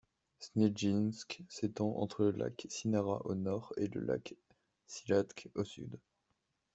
Snejinsk s'étend entre le lac Sinara au nord et le lac Silatch au sud.